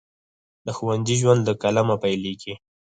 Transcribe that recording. د ښوونځي ژوند له قلمه پیلیږي.